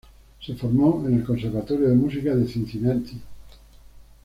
Se formó en el Conservatorio de Música de Cincinnati.